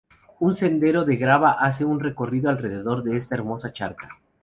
Un sendero de grava hace un recorrido alrededor de esta hermosa charca.